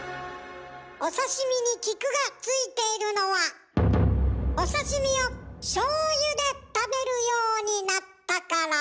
お刺身に菊がついているのはお刺身をしょうゆで食べるようになったから。